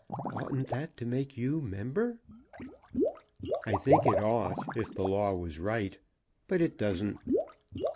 Oughtn't that to make you member?" "I think it ought, if the law was right; but it doesn't."